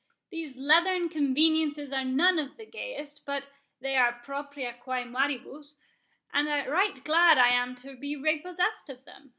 These leathern conveniences are none of the gayest, but they are propria quae maribus; and right glad am I to be repossessed of them.